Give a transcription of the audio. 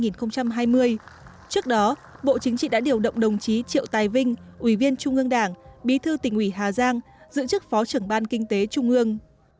trước đó bộ chính trị đã điều động đồng chí triệu tài vinh ủy viên trung ương đảng bí thư tỉnh ủy hà giang giữ chức phó trưởng ban kinh tế trung ương